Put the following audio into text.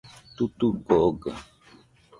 Tutuko oga